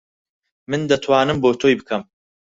من دەتوانم بۆ تۆی بکەم.